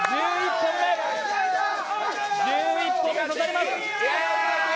１１本目が刺されます。